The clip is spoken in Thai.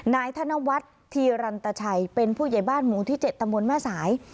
นายธนวัฒน์ธีรันตชัยเป็นผู้ใหญ่บ้านหมู่ที่๗ตำบลแม่สาย